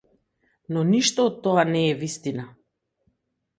Но ништо од тоа не е вистина.